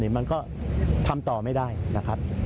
มันก็ทำต่อไม่ได้นะครับ